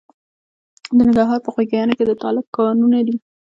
د ننګرهار په خوږیاڼیو کې د تالک کانونه دي.